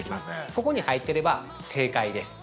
ここに入ってれば正解です。